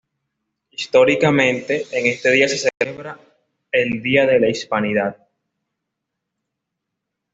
Históricamente, en este día se celebra el día de la Hispanidad.